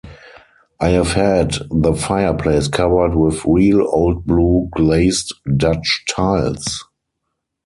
I have had the fireplace covered with real old blue glazed Dutch tiles.